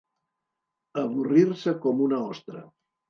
Avorrir-se com una ostra.